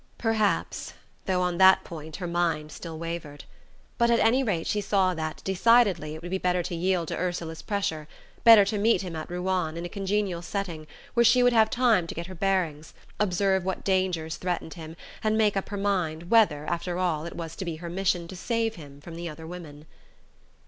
Perhaps; though on that point her mind still wavered. But at any rate she saw that, decidedly, it would be better to yield to Ursula's pressure; better to meet him at Ruan, in a congenial setting, where she would have time to get her bearings, observe what dangers threatened him, and make up her mind whether, after all, it was to be her mission to save him from the other women.